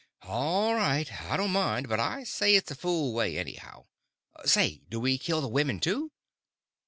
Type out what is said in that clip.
"All right. I don't mind; but I say it's a fool way, anyhow. Say, do we kill the women, too?"